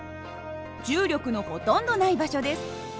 重力のほとんどない場所です。